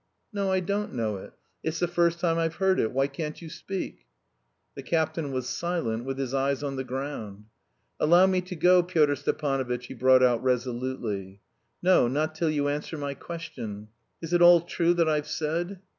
"No, I don't know it. It's the first time I've heard it. Why can't you speak?" The captain was silent, with his eyes on the ground. "Allow me to go, Pyotr Stepanovitch," he brought out resolutely. "No, not till you answer my question: is it all true that I've said?"